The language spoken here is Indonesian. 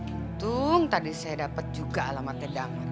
untung tadi saya dapat juga alamatnya damar